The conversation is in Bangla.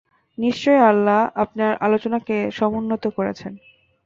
নিশ্চয় আল্লাহ আপনার আলোচনাকে সমুন্নত করেছেন।